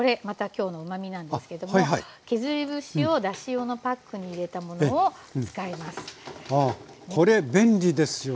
また今日のうまみなんですけども削り節をだし用のパックに入れたものを使います。